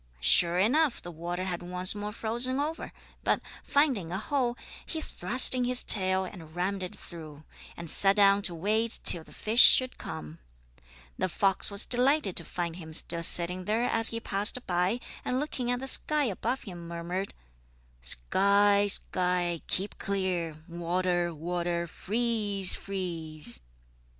Sure enough the water had once more frozen over, but, finding a hole, he thrust in his tail and rammed it through, and sat down to wait till the fish should come. The fox was delighted to find him still sitting there as he passed by, and looking at the sky above him murmured: "Sky, sky, keep clear! Water, water, freeze, freeze!"